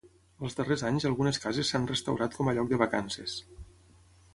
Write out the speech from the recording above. Als darrers anys algunes cases s'han restaurat com a lloc de vacances.